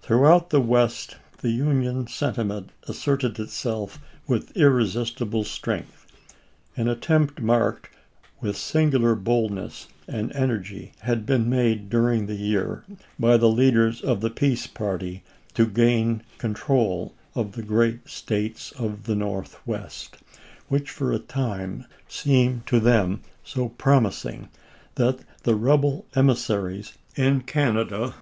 Throughout the West the Union sentiment as serted itself with irresistible strength. An attempt marked with singular boldness and energy had been made during the year by the leaders of the peace party to gain control of the great States of the Northwest, which for a time seemed to them so promising that the rebel emissaries in Canada, 378 ABRAHAM LINCOLN ch.